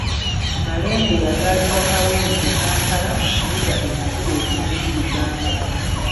Malende yazaalibwa Kawempe, Kampala, mu kibuga ekikulu eky'ensi Uganda